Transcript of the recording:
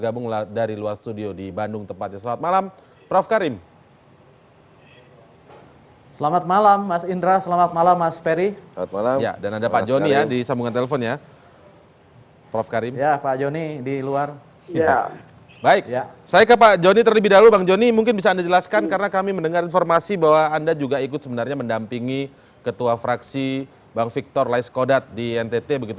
bang jonny mungkin bisa anda jelaskan karena kami mendengar informasi bahwa anda juga ikut sebenarnya mendampingi ketua fraksi bang victor leskodat di ntt